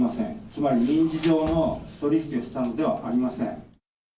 つまり、民事上の取り引きをしたのではありません。